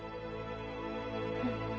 うん。